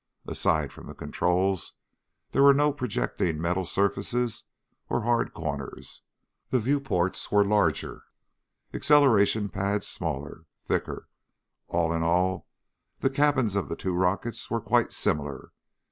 Aside from the controls, there were no projecting metal surfaces or hard corners ... the view ports were larger ... acceleration pads smaller, thicker. All in all, the cabins of the two rockets were quite similar.